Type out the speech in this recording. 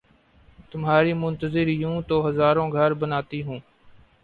تمہاری منتظر یوں تو ہزاروں گھر بناتی ہوں